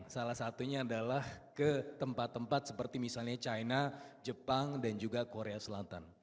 salah satunya adalah ke tempat tempat seperti misalnya china jepang dan juga korea selatan